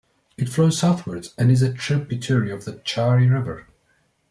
It flows southwards, and is a tributary of the Chari River.